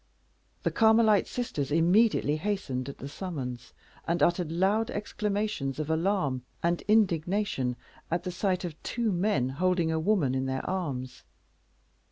The Carmelite sisters immediately hastened at the summons, and uttered loud exclamations of alarm and indignation at the sight of the two men holding a woman in their arms.